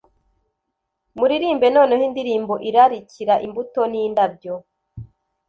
Muririmbe noneho indirimbo irarikira imbuto n'indabyo.